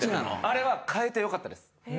あれは代えてよかったです。